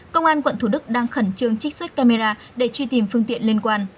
công an quận thủ đức đang khẩn trương trích xuất camera để truy tìm phương tiện liên quan